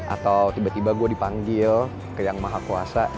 atau tiba tiba gue dipanggil ke yang maha kuasa